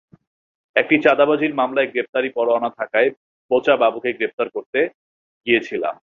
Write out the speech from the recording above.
একটি চাঁদাবাজির মামলায় গ্রেপ্তারি পরোয়ানা থাকায় বোচা বাবুকে গ্রেপ্তার করতে গিয়েছিলাম।